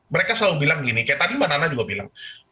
mereka selalu bilang gini kayak tadi mbak nana juga bilang